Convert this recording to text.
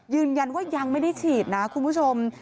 ยืนยันว่ายังไม่ได้ฉีดนะคุณผู้ชม